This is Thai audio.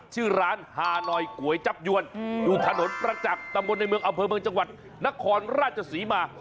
ชื่อร้านฮานอยก๋วยจับยวนอยู่ถนนประจักษ์ตำบลในเมืองอำเภอเมืองจังหวัดนครราชศรีมา